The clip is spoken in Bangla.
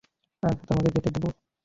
আচ্ছা, তোমাকে যেতে দেব।